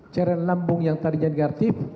ceren lambung yang tadi jadi aktif